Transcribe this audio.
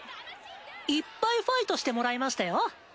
いっぱいファイトしてもらいましたよ。